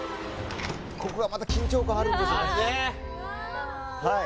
ここがまた緊張感あるんですよねあるねうわ